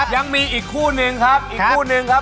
ยังมีอีกคู่นึงครับ